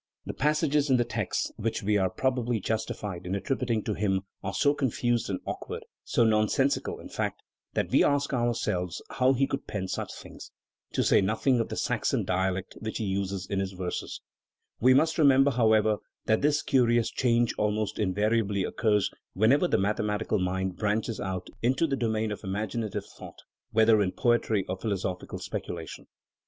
The passages in the texts which we are pro bably justified in attributing to him are so confused and awkward, so nonsensical, in fact, that we ask ourselves how he could pen such things, to say nothing of the Saxon dialect which he uses in his verses. We must Architectonic Quality of his Music. 213 remember, however, that this curious change almost in variably occurs whenever the mathematical mind branches out into the domain of imaginative thought, whether in poetry or philosophical speculation.